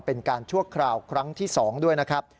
เป็นการชั่วคราวครั้งที่๒ด้วยนะครับ